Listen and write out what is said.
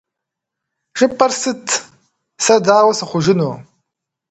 ЖыпӀэр сыт? Сэ дауэ сыхъужыну?